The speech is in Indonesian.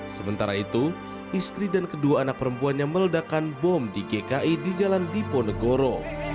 sementara itu istri dan kedua anak perempuannya meledakan bom di gki di jalan diponegoro